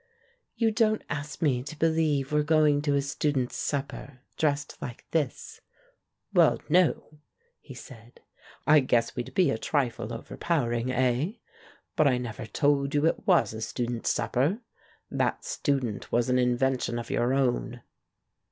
"You don't ask me to believe we're going to a student's supper, dressed hke this?" THE PRINCE IN THE FAIRY TALE 219 "Well, no," he said. "I guess we'd be a trifle overpowering, eh? But I never told you it was a student's supper. That student was an inven tion of your own."